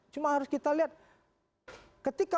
cuma harus kita lihat ketika